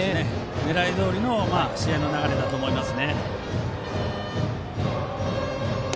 狙いどおりの試合の流れだと思います。